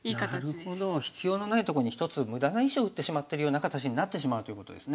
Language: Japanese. なるほど必要のないとこに１つ無駄な石を打ってしまってるような形になってしまうということですね。